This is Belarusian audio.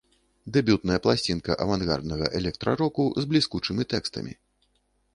Дэбютная пласцінка авангарднага электра-року з бліскучымі тэкстамі.